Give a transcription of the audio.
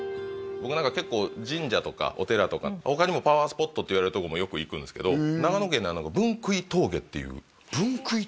僕神社とかお寺とか他にもパワースポットっていわれるとこもよく行くんですけど長野県にあるのが分杭峠っていう分杭峠？